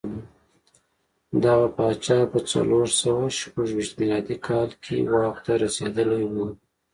دغه پاچا په څلور سوه شپږ ویشت میلادي کال کې واک ته رسېدلی و.